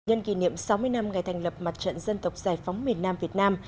nhân kỷ niệm sáu mươi năm ngày thành lập mặt trận dân tộc giải phóng miền nam việt nam